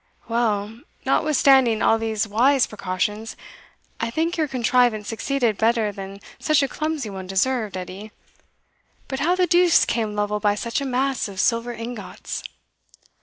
"Well, notwithstanding all these wise precautions, I think your contrivance succeeded better than such a clumsy one deserved, Edie. But how the deuce came Lovel by such a mass of silver ingots?"